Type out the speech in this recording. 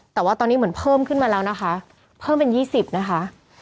แต่ว่าตอนนี้เหมือนเพิ่มขึ้นมาแล้วนะคะเพิ่มเป็น๒๐นะคะ